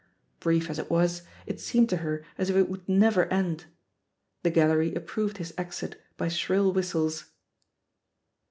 Brief as it was, it seemed to her as if it would never end. The gal lery approved his exit by shrill whistles.